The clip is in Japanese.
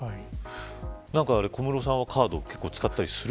小室さんはカード結構使ったりする。